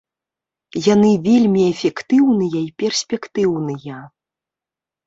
Яны вельмі эфектыўныя і перспектыўныя.